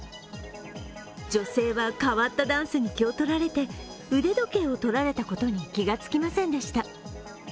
女性は変わったダンスに気を取られて、腕時計を取られたことに気が付きませんでした。